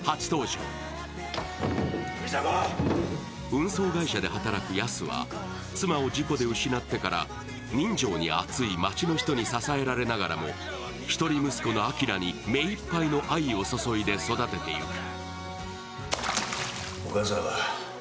運送会社で働くヤスは妻を事故で失ってから人情に厚い町の人に支えられながらも一人息子のアキラに目いっぱいの愛を注いで育てていく。